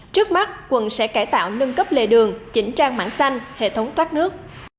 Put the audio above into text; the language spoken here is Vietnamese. trước mắt quận sẽ cải tạo nâng cấp lề đường chỉnh trang mảng xanh hệ thống thoát nước